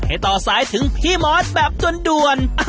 ต่อสายถึงพี่มอสแบบจนด่วน